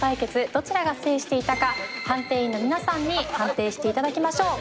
どちらが制していたか判定員の皆さんに判定して頂きましょう。